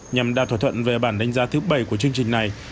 nhằm đạt thỏa thuận về bản đánh giá thứ bảy của chương trình này